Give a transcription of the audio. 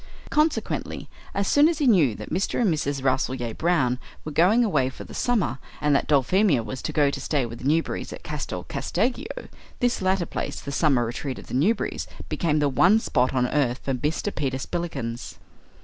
Consequently, as soon as he knew that Mr. and Mrs. Rasselyer Brown were going away for the summer, and that Dulphemia was to go to stay with the Newberrys at Castel Casteggio, this latter place, the summer retreat of the Newberrys, became the one spot on earth for Mr. Peter Spillikins.